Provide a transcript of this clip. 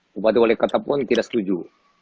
bupati wali kota pun tidak setuju